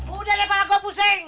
udede malah gue pusing